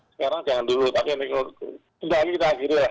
sekarang jangan dulu tapi kalau sudah ini kita akhiri ya